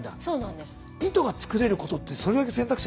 そうなんですよ。